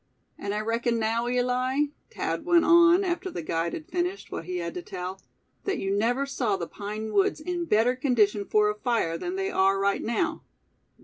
"And I reckon, now, Eli?" Thad went on, after the guide had finished what he had to tell; "that you never saw the pine woods in better condition for a fire than they are right now?"